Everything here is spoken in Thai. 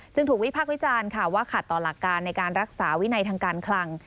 ถูกวิพากษ์วิจารณ์ค่ะว่าขัดต่อหลักการในการรักษาวินัยทางการคลัง